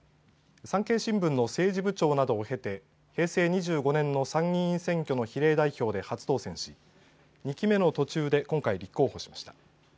産経新聞の政治部長などを経て平成２５年の参議院選挙の比例代表で初当選し２期目の途中で今回立候補しました。